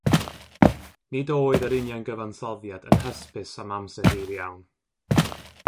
Nid oedd yr union gyfansoddiad yn hysbys am amser hir iawn.